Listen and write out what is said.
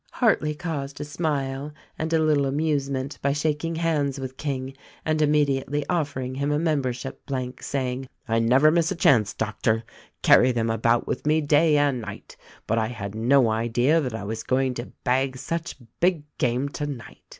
Hartleigh caused a smile and a little amusement by shak ing hands with King and immediately offering him a mem bership blank, saying, "I never miss a chance, Doctor — carry them about with me day and night — but I had no idea that I was going to bag such big game tonight."